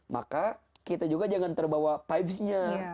maka kita juga jangan terbawa vibesnya